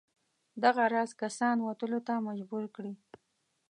دغه راز کسان وتلو ته مجبور کړي.